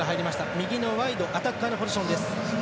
右のワイドアタッカーのポジションです。